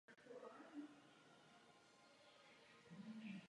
Dráha budiž postavena jako dráha místní o rozchodu pravidelném.